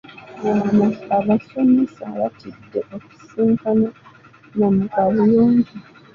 Abasomesa baatidde okusisinkana abaana mu kaabuyonjo.